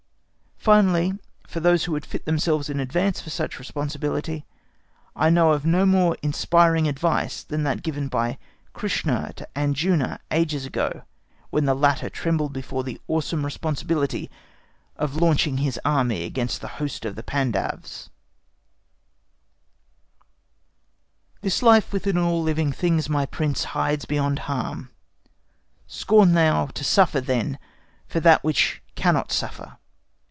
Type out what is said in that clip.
Finally, for those who would fit themselves in advance for such responsibility, I know of no more inspiring advice than that given by Krishna to Arjuna ages ago, when the latter trembled before the awful responsibility of launching his Army against the hosts of the Pandav's: This Life within all living things, my Prince, Hides beyond harm. Scorn thou to suffer, then, For that which cannot suffer.